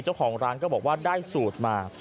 เจ้าของร้านก็บอกว่าได้สูตรมา